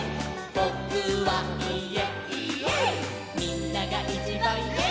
「ぼ・く・は・い・え！